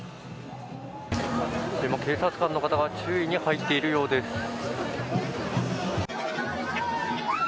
今、警察官の方が注意に入っているようです。